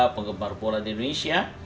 pengemar bola di indonesia